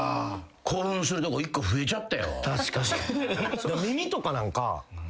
確かに。